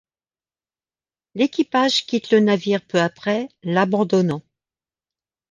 L'équipage quitte le navire peu-après, l'abandonnant.